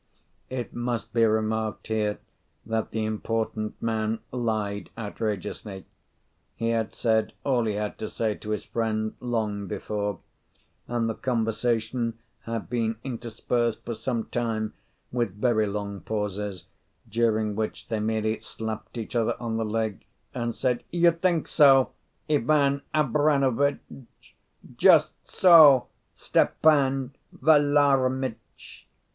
It must be remarked here that the important man lied outrageously: he had said all he had to say to his friend long before; and the conversation had been interspersed for some time with very long pauses, during which they merely slapped each other on the leg, and said, "You think so, Ivan Abramovitch!" "Just so, Stepan Varlamitch!"